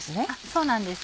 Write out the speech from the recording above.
そうなんです。